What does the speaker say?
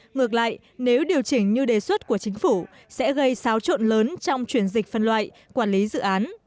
ngược lại nếu điều chỉnh như đề xuất của chính phủ sẽ gây xáo trộn lớn trong chuyển dịch phân loại quản lý dự án